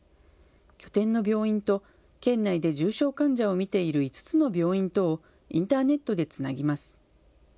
拠点の病院と県内で重症患者を診ている５つの病院をインターネットでつなぎます。